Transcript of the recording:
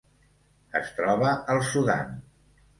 Es troba al Sudan.